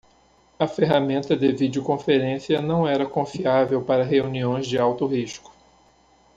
A ferramenta de videoconferência não era confiável para reuniões de alto risco.